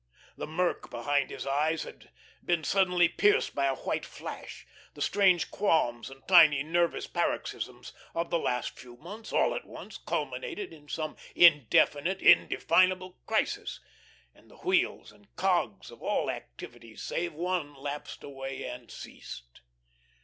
The murk behind his eyes had been suddenly pierced by a white flash. The strange qualms and tiny nervous paroxysms of the last few months all at once culminated in some indefinite, indefinable crisis, and the wheels and cogs of all activities save one lapsed away and ceased.